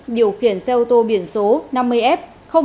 điều khiển xe ô tô biển số năm mươi f bốn trăm tám mươi ba